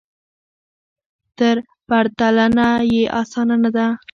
نو پرتلنه یې اسانه نه ده